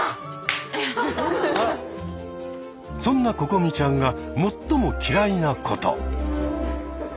そんなここみちゃんが最も嫌いなこと。